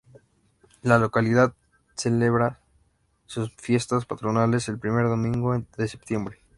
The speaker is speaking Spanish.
La localidad celebra sus fiestas patronales el primer domingo de septiembre.